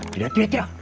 tidak tidak tidak